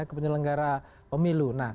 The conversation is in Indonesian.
ke penyelenggara pemilu